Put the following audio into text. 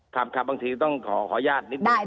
ครับบางทีต้องขอขออนุญาตนิดนึง